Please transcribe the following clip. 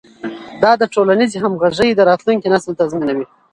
دا د ټولنیزې همغږۍ د راتلونکي نسل تضمینوي.